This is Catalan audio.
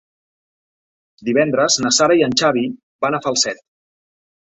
Divendres na Sara i en Xavi van a Falset.